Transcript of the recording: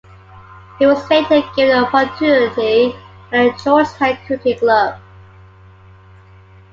He was later given an opportunity at the Georgetown Cricket Club.